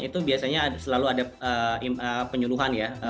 itu biasanya selalu ada penyuluhan ya